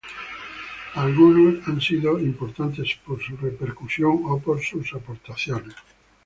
Algunos han sido importantes por su repercusión o por sus aportaciones.